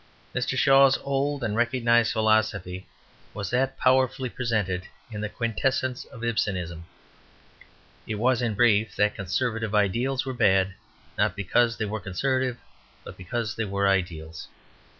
Mr. Shaw's old and recognized philosophy was that powerfully presented in "The Quintessence of Ibsenism." It was, in brief, that conservative ideals were bad, not because they were conservative, but because they were ideals.